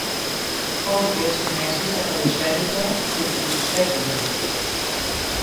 χώθηκε ως τη μέση στα παλιοσέντουκα που κουτσοστέκουνταν